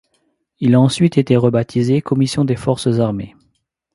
Il a ensuite été rebaptisé Commission des forces armées.